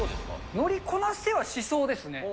乗りこなせはしそうですね。